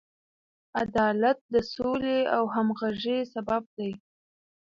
عدالت د سولې او همغږۍ سبب دی.